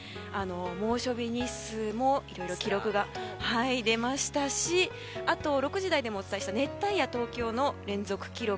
猛暑日日数もいろいろと記録が出ましたし、６時台でもお伝えした熱帯夜、東京の連続記録。